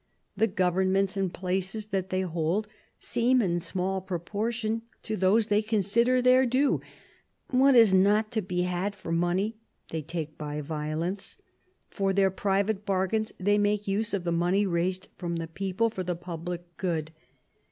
... The governments and places that they hold seem in small proportion to those they consider their due ;... what is not to be had for money they take by violence ;... for their private bargains they make use of the money raised from the people for the public good.